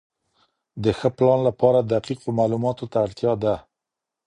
د ښه پلان لپاره دقیقو معلوماتو ته اړتیا ده.